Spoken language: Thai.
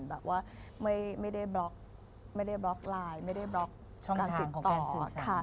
แบบว่าไม่ได้บล็อกไลน์ไม่ได้บล็อกการติดต่อ